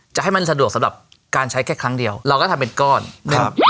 จะให้มันสะดวกสำหรับการใช้แค่ครั้งเดียวเราก็ทำเป็นก้อนนะครับ